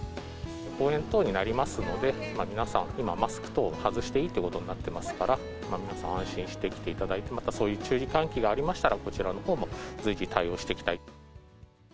公園等になりますので、皆さん、今マスク等、外していいということになっていますから、皆さん安心して来ていただいて、またそういう注意喚起がありましたら、こちらのほうも随時対応していきたいと。